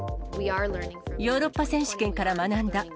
ヨーロッパ選手権から学んだ。